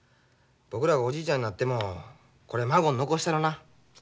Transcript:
僕らがおじいちゃんになってもこれ孫に残したろな。